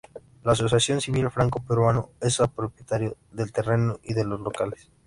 La "Asociación Civil Franco Peruano" es propietaria del terreno y de los locales.